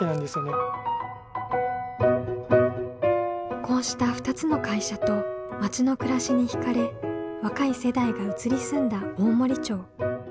こうした２つの会社と町の暮らしに惹かれ若い世代が移り住んだ大森町。